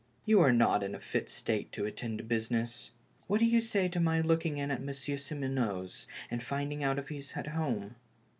You are not in a fit state to attend to business. What do you say to my looking in at Monsieur Simoneau's and finding out if he's at home